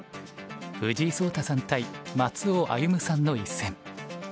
藤井聡太さん対松尾歩さんの一戦。